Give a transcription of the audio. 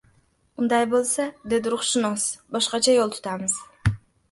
“Unday boʻlsa, – dedi ruhshunos, – boshqacha yoʻl tutamiz”.